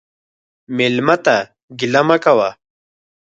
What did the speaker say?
مېلمه ته ګیله مه کوه.